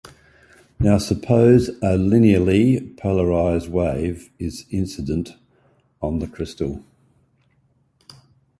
Now suppose a linearly polarized wave is incident on the crystal.